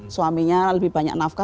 suaminya lebih banyak nafkah